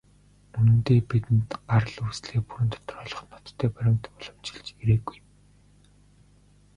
Үнэндээ, бидэнд гарал үүслээ бүрэн тодорхойлох ноттой баримт уламжилж ирээгүй.